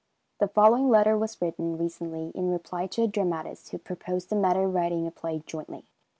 The following letter was written, recently, in reply to a dramatist who proposed the matter of writing a play jointly.